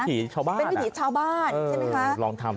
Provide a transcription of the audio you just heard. วิถีชาวบ้านเป็นวิถีชาวบ้านใช่ไหมคะ